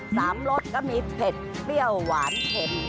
สามรสก็มีแพรดเปรี้ยวหวานเข็ม